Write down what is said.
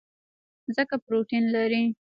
ځکه پروټین لري.